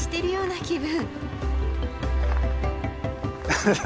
ハハハ